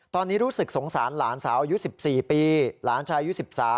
ตอนนี้รู้สึกสงสารหลานสาวอายุ๑๔ปีหลานชายอายุ๑๓